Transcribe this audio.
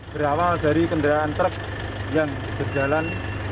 berawal dari kendaraan truk yang berjalan